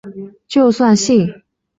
就算幸福会消失